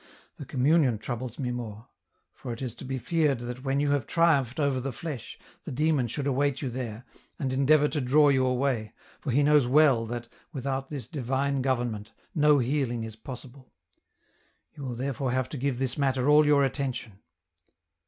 The communion troubles me more ; for it is to be feared that when you have triumphed over the flesh the Demon should await you there, and endeavour to draw you away, for he knows well that, without this divine govern ment, no healing is possible. You will therefore have to give this matter all your attention."